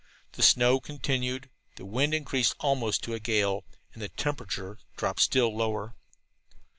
The snow continued, the wind increased almost to a gale, and the temperature dropped still lower.